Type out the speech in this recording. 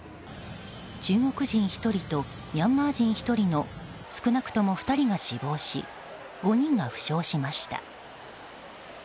中国人１人とミャンマー人１人の少なくとも２人が死亡し５人が負傷しました。